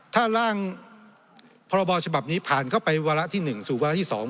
ถ้าร่างพรบฉบับนี้ผ่านเข้าไปวัละที่หนึ่งสู่วัละที่สอง